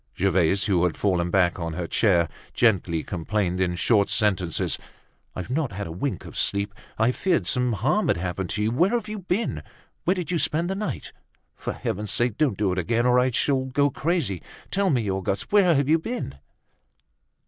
Gervaise, who had fallen back on her chair, gently complained, in short sentences: "I've not had a wink of sleep. I feared some harm had happened to you. Where have you been? Where did you spend the night? For heaven's sake! Don't do it again, or I shall go crazy. Tell me Auguste, where have you been?"